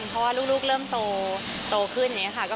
เพราะว่าลูกเริ่มโตขึ้นอย่างนี้ค่ะ